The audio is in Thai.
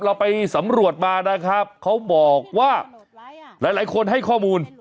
เราไปสำรวจมานะครับเขาบอกว่าหลายคนให้ข้อมูล